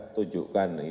terus mana lagi